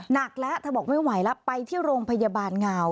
หนักแล้วเธอบอกไม่ไหวแล้วไปที่โรงพยาบาลงาว